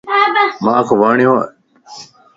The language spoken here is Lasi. مانک وڃڻوَ